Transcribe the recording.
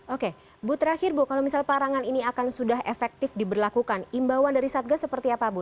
oke bu terakhir bu kalau misal pelarangan ini akan sudah efektif diberlakukan imbauan dari satgas seperti apa bu